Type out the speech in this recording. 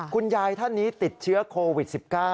คุณยายท่านนี้ติดเชื้อโควิด๑๙